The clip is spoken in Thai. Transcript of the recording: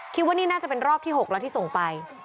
คิดว่านี่น่าจะเป็นรอบที่๖แล้วที่ส่งไป